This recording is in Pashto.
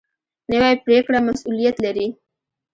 نوې پرېکړه مسؤلیت لري